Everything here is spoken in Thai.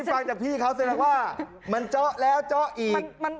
นี่ฟังจากพี่เขาเสร็จแล้วว่ามันเจาะแล้วเจาะอีก